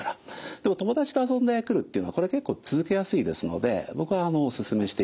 でも友達と遊んでくるっていうのはこれ結構続けやすいですので僕はお勧めしています。